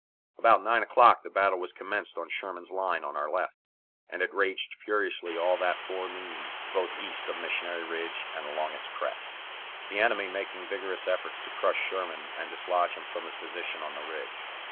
About nine o'clock the battle was commenced on Sherman's line on our left, and it raged furiously all that forenoon both east of Missionary Ridge and along its crest, the enemy making vigorous efforts to crush Sherman and dislodge him from his position on the ridge.